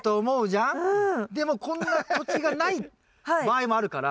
でもこんな土地がない場合もあるから。